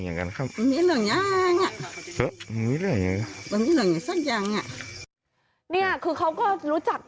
นี้คือเขาก็รู้จักกัน